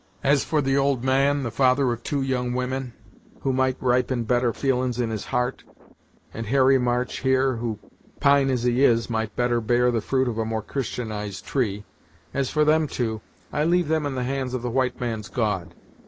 As for the old man, the father of two young women, who might ripen better feelin's in his heart, and Harry March, here, who, pine as he is, might better bear the fruit of a more Christianized tree, as for them two, I leave them in the hands of the white man's God.